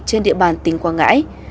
trên địa bàn tỉnh quảng ngãi